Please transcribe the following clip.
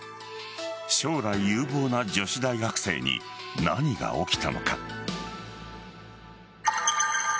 将来有望な女子大学生に何が起きたのか。